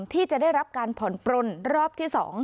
ที่จะได้รับการผ่อนปลนรอบที่๒